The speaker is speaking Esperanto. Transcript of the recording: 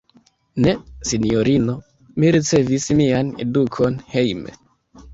Ne, sinjorino; mi ricevis mian edukon hejme.